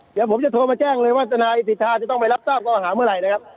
เดี๋ยวผมจะโทรมาแจ้งเลยว่าทนายสิทธาจะต้องไปรับทราบข้อหาเมื่อไหร่นะครับ